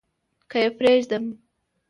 که يې پرېږدم .